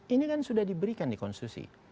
ini kan sudah diberikan di konstitusi